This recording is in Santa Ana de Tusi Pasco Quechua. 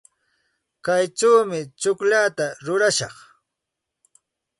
Kaychawmi tsukllata rurashaq.